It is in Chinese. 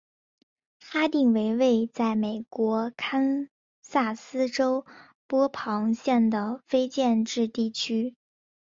哈定为位在美国堪萨斯州波旁县的非建制地区。